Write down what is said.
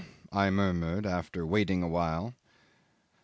I murmured, after waiting a while.